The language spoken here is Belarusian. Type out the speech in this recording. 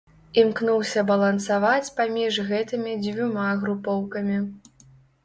Імкнуўся балансаваць паміж гэтымі дзвюма групоўкамі.